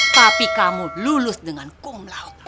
pak pi kamu lulus dengan kumlaut